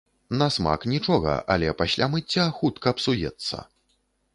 На смак нічога, але пасля мыцця хутка псуецца.